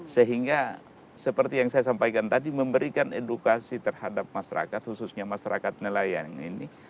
sehingga seperti yang saya sampaikan tadi memberikan edukasi terhadap masyarakat khususnya masyarakat nelayan ini